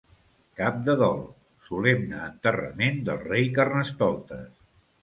Cap de dol, Solemne Enterrament del rei Carnestoltes.